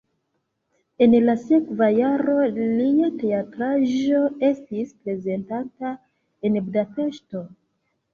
En la sekva jaro lia teatraĵo estis prezentata en Budapeŝto.